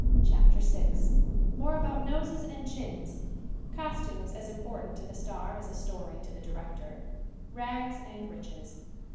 CHAPTER VI More about noses and chins Costumes as important to the star as a story to the director Rags and riches.